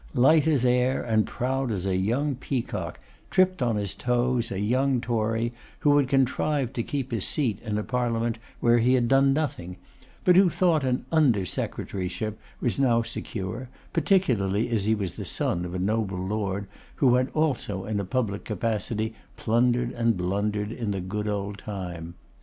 Light as air, and proud as a young peacock, tripped on his toes a young Tory, who had contrived to keep his seat in a Parliament where he had done nothing, but who thought an Under Secretaryship was now secure, particularly as he was the son of a noble Lord who had also in a public capacity plundered and blundered in the good old time.